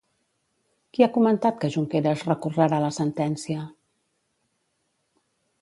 Qui ha comentat que Junqueras recorrerà la sentència?